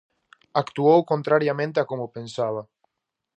Actuou contrariamente a como pensaba.